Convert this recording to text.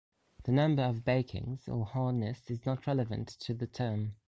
The number of bakings or hardness is not relevant to the term.